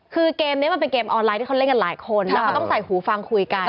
คือเกมนี้มันเป็นเกมออนไลน์ที่เขาเล่นกันหลายคนแล้วเขาต้องใส่หูฟังคุยกัน